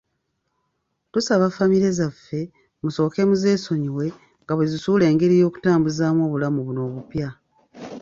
Tusaba famire zaffe musooke muzesonyiwe nga bwezizuula engeri y'okutambuzamu obulamu buno obupya.